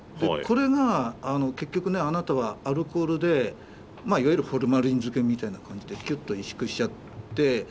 これが結局ねあなたはアルコールでいわゆるホルマリン漬けみたいな感じでキュッと萎縮しちゃって。